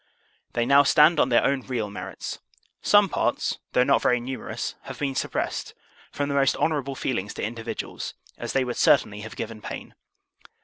They now stand on their own real merits. Some parts (though not very numerous) have been suppressed, from the most honourable feelings to individuals, as they would certainly have given pain.